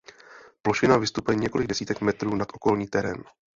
Plošina vystupuje několik desítek metrů nad okolní terén.